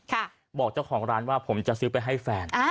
บอกเจ้าของร้านว่าผมจะซื้อไปให้แฟน